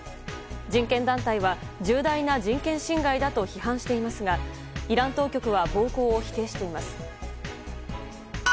人権団体は重大な人権侵害だと批判していますが、イラン当局は暴行を否定しています。